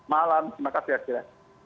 malam terima kasih astrid